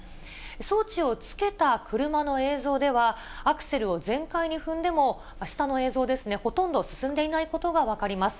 装置をつけた車の映像では、アクセルを全開に踏んでも、下の映像ですね、ほとんど進んでいないことが分かります。